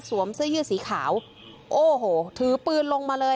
เสื้อยืดสีขาวโอ้โหถือปืนลงมาเลย